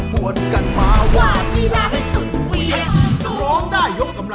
ครับผมใช่ครับ